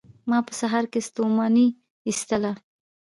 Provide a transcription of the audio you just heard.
ما په سهار کې ستوماني ایستله